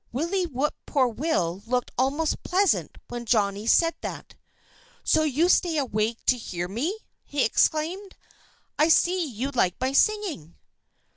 Willie Whip poor will looked almost pleasant when Jolly said that. "So you stay awake to hear me!" he exclaimed. "I see you like my singing."